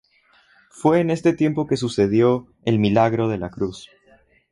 Fue en este tiempo que sucedió el Milagro de la Cruz.